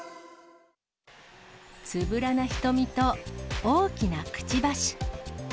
つぶらな瞳と大きなくちばし。